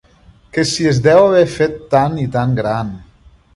Que si es deu haver fet tan i tan gran.